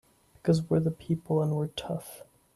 Because we're the people and we're tough!